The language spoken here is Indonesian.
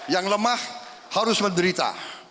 yang lemah harus menderita